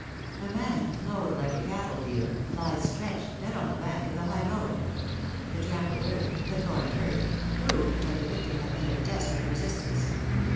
A man, clothed like a cattle dealer, lies stretched, dead on the bank of the highroad. The trampled earth, the torn turf, proved that the victim had made a desperate resistance.